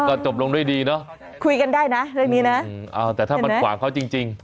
ก็จบลงด้วยดีเนอะคุยกันได้นะเรื่องนี้นะแต่ถ้ามันขวางเขาจริงจริง